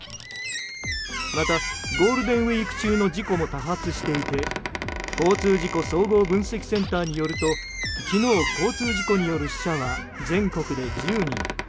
またゴールデンウィーク中の事故も多発していて交通事故総合分析センターによると昨日、交通事故による死者は全国で１０人。